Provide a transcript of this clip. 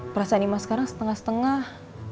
perasaan imam sekarang setengah setengah